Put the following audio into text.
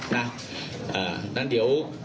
นะนั้นเดี๋ยว